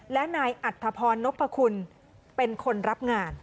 และนายอัธพรนพคุณเป็นคนรับงาน